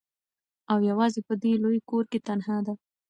او یوازي په دې لوی کور کي تنهاده